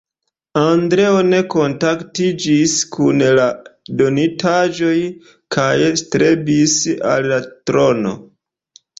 Andreo ne kontentiĝis kun la donitaĵoj kaj strebis al la trono.